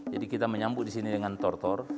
jadi kita menyambut disini dengan tortor